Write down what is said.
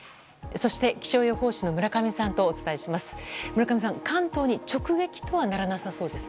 そして気象予報士の村上さんとお伝えします。